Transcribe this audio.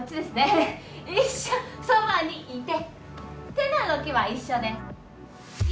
手の動きは一緒です。